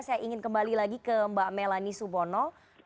saya ingin kembali lagi ke mbak melani subono